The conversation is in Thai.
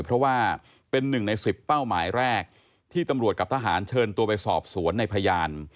เพราะว่าเป็นหนึ่งใน๑๐เป้าหมายแรกที่ตำรวจกับทหารเชิญตัวไปสอบสวนในพยาน